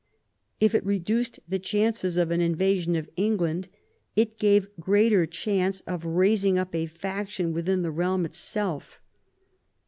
If it reduced the chances of an invasion of England, it gave greater chance of raising up a faction within the realm itself.